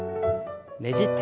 ねじって。